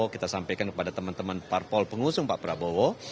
kita sampaikan kepada teman teman parpol pengusung pak prabowo